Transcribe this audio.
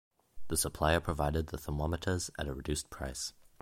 The supplier provided the thermometers at a reduced price.